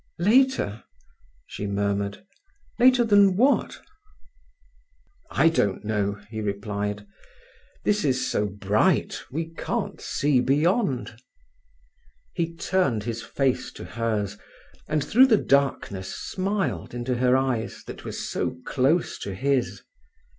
"Later," she murmured—"later than what?" "I don't know," he replied. "This is so bright we can't see beyond." He turned his face to hers and through the darkness smiled into her eyes that were so close to his.